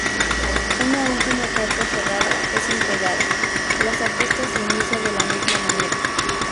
Una última carta cerrada es entregada, las apuestas se inicia de la misma manera.